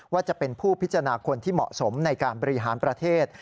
ว่าจะเป็นผู้พิจารณาคนที่เหมาะสมในการบริหารประเทศ